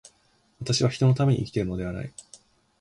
私は人のために生きているのではない。